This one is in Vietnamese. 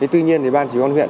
tự nhiên thì ban chỉ huân huyện